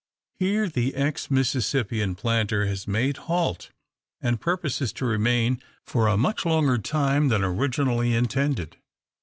Here the ex Mississippian planter has made halt, and purposes to remain for a much longer time than originally intended.